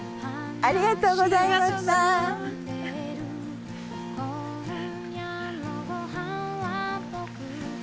ありがとうございます。